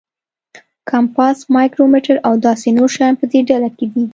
کمپاس، مایکرومیټر او داسې نور شیان په دې ډله کې دي.